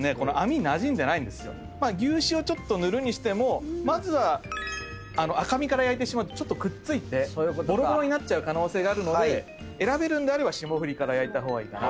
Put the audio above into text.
牛脂を塗るにしてもまず赤身から焼いてしまうとくっついてぼろぼろになっちゃう可能性があるので選べるなら霜降りから焼いた方がいいかな。